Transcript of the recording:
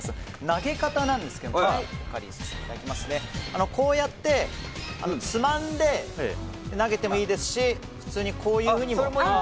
投げ方なんですがこうやってつまんで投げてもいいですし普通にこういうふうにも。